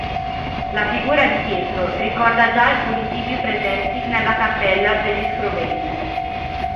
La figura di Pietro ricorda già alcuni tipi presenti nella Cappella degli Scrovegni.